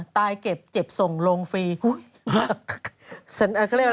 ตายเก็บเจ็บส่งโรงฟรี